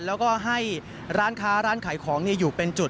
แล้วก็ให้ร้านค้าร้านขายของอยู่เป็นจุด